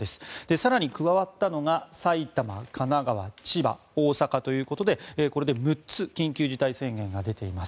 更に加わったのが埼玉、神奈川千葉、大阪ということでこれで６つ緊急事態宣言が出ています。